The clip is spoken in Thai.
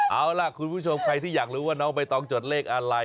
เอาล่ะคุณผู้ชมใครที่อยากรู้ว่าน้องใบตองจดเลขอะไร